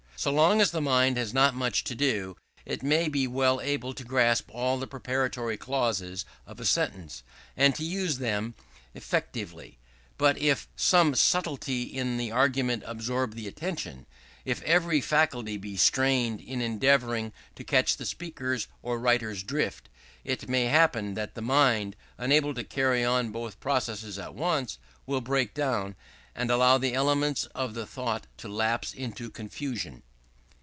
So long as the mind has not much to do, it may be well able to grasp all the preparatory clauses of a sentence, and to use them effectively; but if some subtlety in the argument absorb the attention if every faculty be strained in endeavouring to catch the speaker's or writer's drift, it may happen that the mind, unable to carry on both processes at once, will break down, and allow the elements of the thought to lapse into confusion.